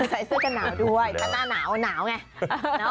ใส่เสื้อกันหนาวด้วยถ้าหน้าหนาวหนาวไง